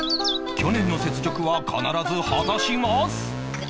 去年の雪辱は必ず果たします